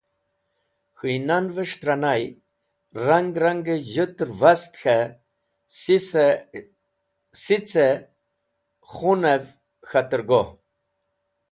K̃huynavẽs̃h tẽra nay rang rangẽ z̃hũtẽr vast k̃hẽ sicẽ khunvẽ k̃hatẽr go.